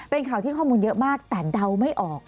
เป็นข่าวที่ข้อมูลเยอะมากแต่เดาไม่ออก